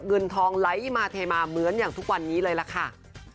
เงินทองไหลมาเทมาเหมือนอย่างทุกวันนี้เลยล่ะค่ะ